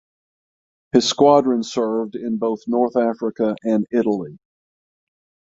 His squadron served in both North Africa and Italy.